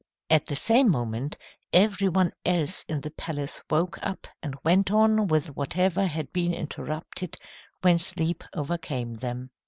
At the same moment every one else in the palace woke up and went on with whatever had been interrupted when sleep overcame them.